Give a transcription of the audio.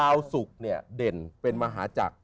สุกเนี่ยเด่นเป็นมหาจักร